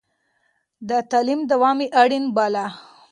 د تعليم دوام يې اړين باله.